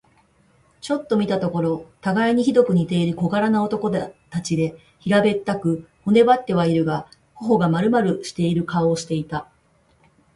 ちょっと見たところ、たがいにひどく似ている小柄な男たちで、平べったく、骨ばってはいるが、頬がまるまるしている顔をしていた。